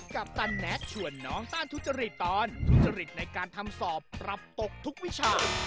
ปตันแน็กชวนน้องต้านทุจริตตอนทุจริตในการทำสอบปรับตกทุกวิชา